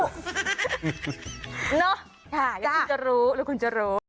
ค่ะหรือคุณจะรู้